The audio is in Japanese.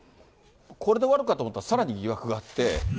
これで終わるかと思ったら、さらに疑惑があって。